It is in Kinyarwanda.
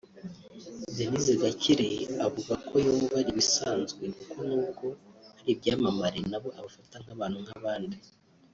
Denise Gakire avuga ko yumva ari ibisanzwe kuko n’ubwo ari ibyamamare nabo abafata nk’abantu nk’abandi